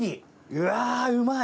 うわうまい！